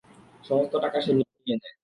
সমস্ত টাকা সে নিয়ে নেয়।